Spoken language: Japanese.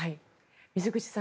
水口さん